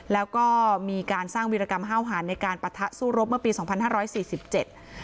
แล้วก็มีการสร้างวิรกรรมห้าวหารในการปะทะสู้รบเมื่อปีสองพันห้าร้อยสี่สิบเจ็ด